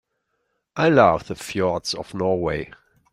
I love the fjords of Norway.